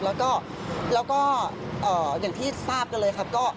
แล้วก็อย่างที่ทราบกันเลยครับ